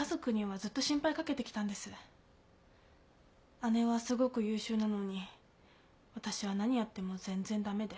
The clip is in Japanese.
姉はすごく優秀なのに私は何やっても全然駄目で。